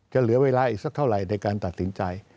เหลือเวลาอีกสักเท่าไหร่ในการตัดสินใจ